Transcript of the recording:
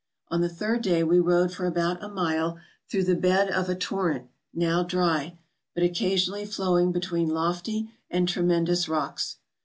On the third day we rode for about a mile through the bed of a torrent, now dry, but occa¬ sionally flowing between lofty and tremendous rocks.